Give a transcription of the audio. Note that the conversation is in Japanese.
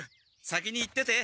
先に行ってて。